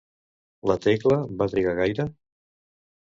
La Tecla va trigar gaire?